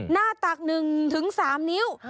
หน้าตัก๑๓นิ้ว